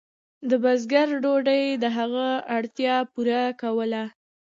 د بزګر ډوډۍ د هغه اړتیا پوره کوله.